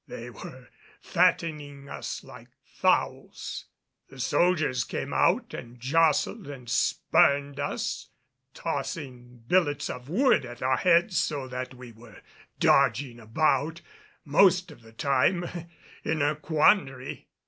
They were fattening us like fowls. The soldiers came out and jostled and spurned us, tossing billets of wood at our heads so that we were dodging about, most of the time in a quandary.